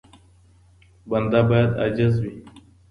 بنده بايد عاجز وي.